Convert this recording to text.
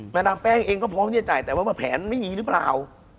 แม่นางแป้งเองก็พอไม่แน่ใจแต่ว่าแผนไม่มีหรือเปล่า